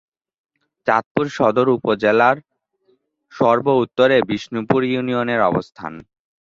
চাঁদপুর সদর উপজেলার সর্ব-উত্তরে বিষ্ণুপুর ইউনিয়নের অবস্থান।